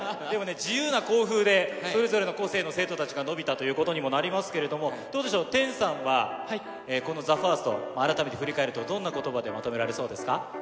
でもね、自由な校風で、それぞれの個性の生徒たちが伸びたということになりますけれども、どうでしょう、ＴＥＮさんはこのＴＨＥＦＩＲＳＴ、改めて振り返ると、どんなことばでまとめられそうですか？